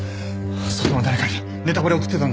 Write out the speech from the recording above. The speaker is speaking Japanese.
外の誰かにネタバレを送ってたんですよね？